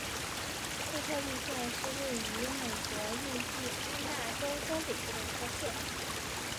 惠特利县是位于美国印第安纳州东北部的一个县。